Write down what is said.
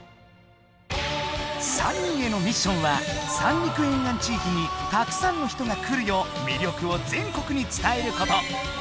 ３人へのミッションは三陸沿岸地域にたくさんの人が来るよう魅力を全国に伝えること！